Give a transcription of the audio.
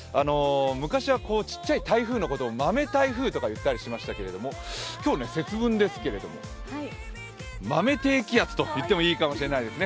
昔は小さい台風のことを豆台風とか言ったりしましたが、今日、節分ですけれども、豆低気圧と言ってもいいかもしれないですね。